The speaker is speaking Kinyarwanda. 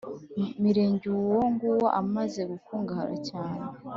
Mirenge uwo nguwo amaze gukungahara cyane